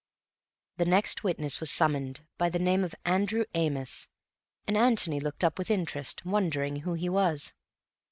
The next witness was summoned by the name of Andrew Amos, and Antony looked up with interest, wondering who he was.